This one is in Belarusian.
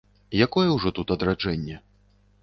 Якое ўжо тут адраджэнне.